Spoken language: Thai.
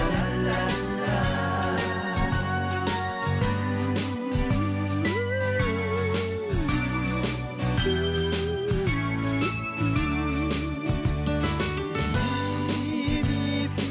สวัสดีครับ